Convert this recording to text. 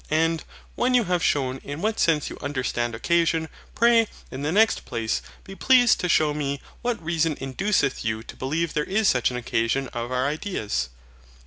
And, when you have shewn in what sense you understand OCCASION, pray, in the next place, be pleased to shew me what reason induceth you to believe there is such an occasion of our ideas?